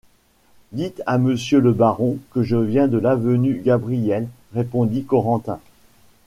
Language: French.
Dites à monsieur le baron que je viens de l’avenue Gabriel, répondit Corentin.